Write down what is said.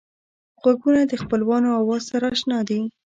غوږونه د خپلوانو آواز سره اشنا دي